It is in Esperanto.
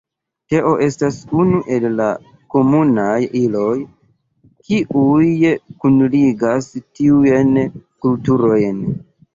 Teo estas unu el la komunaj iloj, kiuj kunligas tiujn kulturojn.